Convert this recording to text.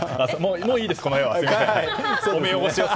もういいです、この画は。